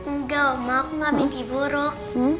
enggak oma aku gak mimpi buruk